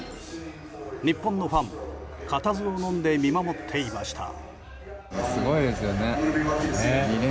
日本のファンも固唾をのんで見守っていました。